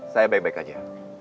saya baik baik aja